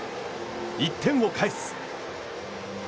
一点を返す。